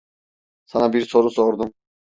Sana bir soru sordum!